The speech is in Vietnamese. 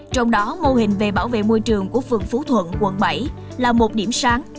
trong đó mô hình về bảo vệ môi trường của phường phú thuận quận bảy là một điểm sáng